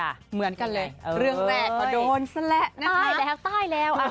เรื่องแม่ต่อโดนแต่และนะคะอะไรกันก็ตายแล้ว